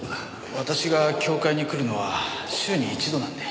私が教誨に来るのは週に一度なんで。